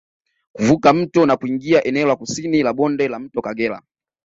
Kuvuka mto na kuingia eneo la kusini la bonde la mto Kagera